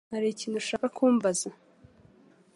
Hari ikintu ushaka kumbaza?